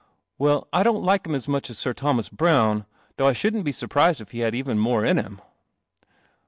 "Well, I don't likehim as muchas SirThomas Browne, though I shouldn't be surprised if he had even more in him."